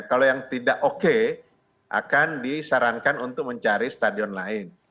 kalau yang tidak oke akan disarankan untuk mencari stadion lain